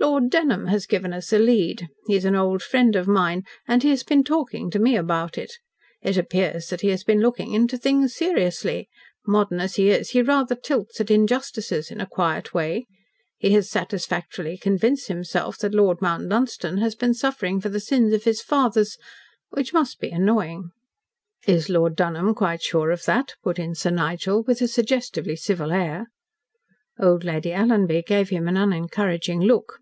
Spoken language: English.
"Lord Dunholm has given us a lead. He is an old friend of mine, and he has been talking to me about it. It appears that he has been looking into things seriously. Modern as he is, he rather tilts at injustices, in a quiet way. He has satisfactorily convinced himself that Lord Mount Dunstan has been suffering for the sins of the fathers which must be annoying." "Is Lord Dunholm quite sure of that?" put in Sir Nigel, with a suggestively civil air. Old Lady Alanby gave him an unencouraging look.